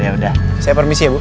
ya udah saya permisi ya bu